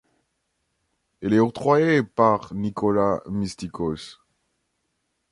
Elle est octroyée par Nicolas Mystikos.